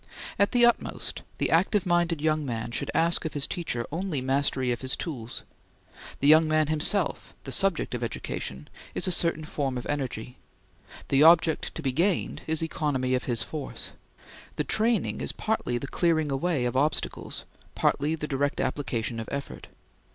At the utmost, the active minded young man should ask of his teacher only mastery of his tools. The young man himself, the subject of education, is a certain form of energy; the object to be gained is economy of his force; the training is partly the clearing away of obstacles, partly the direct application of effort.